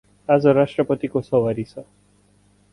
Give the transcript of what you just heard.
आज राष्ट्रपतिको सवारी छ ।